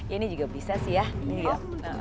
ini juga bisa sih ya